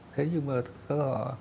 thế nhưng mà họ